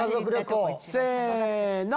せの！